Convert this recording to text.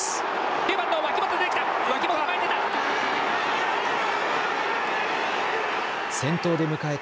９番の脇本出てきた。